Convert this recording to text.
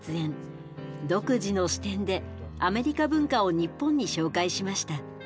独自の視点でアメリカ文化を日本に紹介しました。